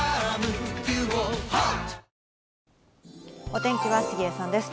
お天気は杉江さんです。